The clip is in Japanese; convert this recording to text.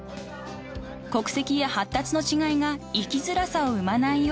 ［国籍や発達の違いが生きづらさを生まないように］